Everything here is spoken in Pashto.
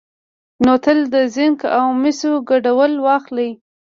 نو تل د زېنک او مسو ګډوله واخلئ،